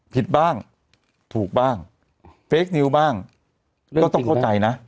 ผิดบ้างถูกบ้างเฟคนิวบ้างก็ต้องเข้าใจนะ